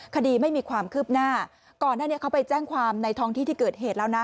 คดีไม่มีความคืบหน้าก่อนหน้านี้เขาไปแจ้งความในท้องที่ที่เกิดเหตุแล้วนะ